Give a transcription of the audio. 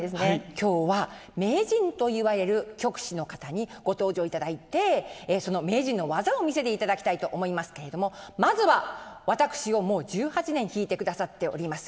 今日は名人といわれる曲師の方にご登場いただいてその名人の技を見せていただきたいと思いますけれどもまずは私をもう１８年弾いてくださっております。